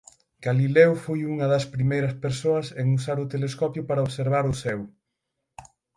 Galileo foi unha das primeiras persoas en usar o telescopio para observar o ceo.